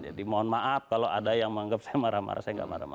jadi mohon maaf kalau ada yang menganggap saya marah marah saya tidak marah marah